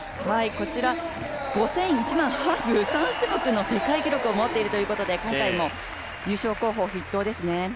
こちら５０００、１００００、ハーフの世界記録を持っているということで今回も優勝候補筆頭ですね。